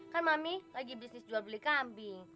kan mami lagi bisnis jual beli kambing